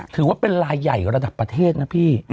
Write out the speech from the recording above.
ถือว่าเป็นลายใหญ่ระดับประเทศนะพี่